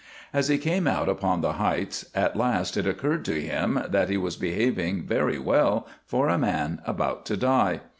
As he came out upon the heights at last it occurred to him that he was behaving very well for a man about to die.